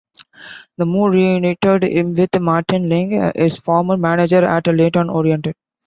The move re-united him with Martin Ling, his former manager at Leyton Orient.